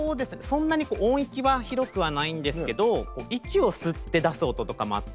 そんなに音域は広くはないんですけど息を吸って出す音とかもあったりして。